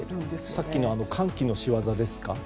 さっきの寒気の仕業ですか？